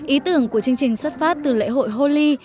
ý tưởng của chương trình xuất phát từ lễ hội holi